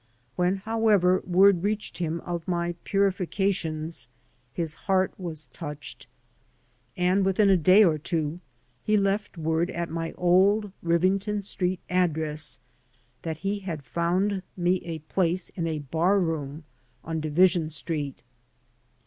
When, however, word reached him of my purifications his heart was touched, and within a day or two he left word at my old Rivington Street address that he had found me a place in a barroom on Division Street.